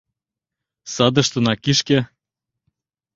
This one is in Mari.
Садыштына кишке!..